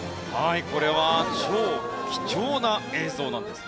これは超貴重な映像なんですね。